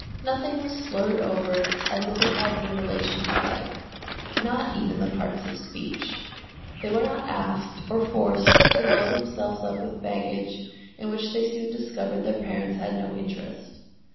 Nothing was slurred over as if it had no relation to life not even the parts of speech! They were not asked or forced to load themselves up with baggage in which they soon discovered their parents had no interest.